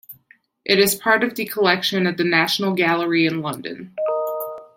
It is part of the collection at the National Gallery in London.